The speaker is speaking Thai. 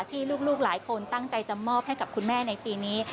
ที่ลูกหลายคนตั้งใจจะมอบให้กับคุณแม่ในปีนี้